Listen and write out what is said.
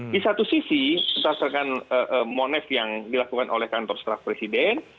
di satu sisi berdasarkan monef yang dilakukan oleh kantor staf presiden